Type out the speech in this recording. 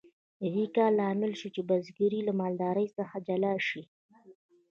د دې کار لامل شو چې بزګري له مالدارۍ څخه جلا شي.